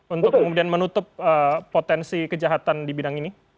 untuk kemudian menutup potensi kejahatan di bidang ini